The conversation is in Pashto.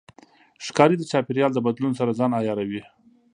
ښکاري د چاپېریال د بدلون سره ځان عیاروي.